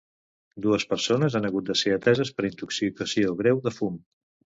Dues persones han hagut de ser ateses per intoxicació greu de fum.